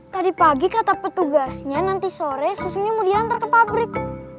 tadi pagi kata petugasnya nanti sore susunya mau diantar ke pabrik